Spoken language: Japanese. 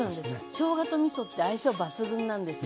しょうがとみそって相性抜群なんですね。